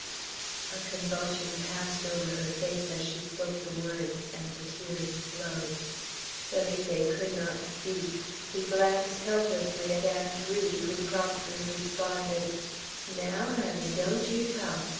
A convulsion passed over her face as she spoke the word, and the tears flowed. Felipe could not speak. He glanced helplessly at Aunt Ri, who promptly responded: "Naow, honey, don't yeow talk.